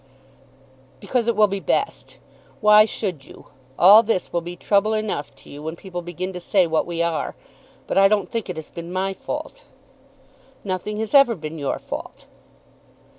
"Because it will be best. Why should you? All this will be trouble enough to you when people begin to say what we are. But I don't think it has been my fault." "Nothing has ever been your fault."